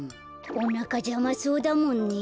おなかじゃまそうだもんね。